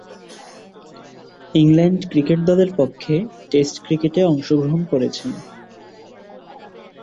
England cricket দলের পক্ষে test ক্রিকেটে অংশগ্রহণ করেছেন।